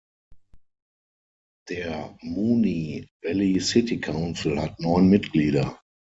Der Moonee Valley City Council hat neun Mitglieder.